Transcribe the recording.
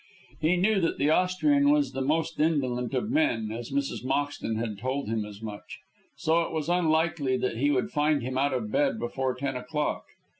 He knew that the Austrian was the most indolent of men, as Mrs. Moxton had told him as much, so it was unlikely that he would find him out of bed before ten o'clock.